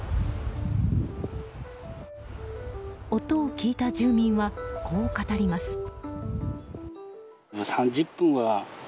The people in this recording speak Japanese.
音を聞いた住民はこう語ります。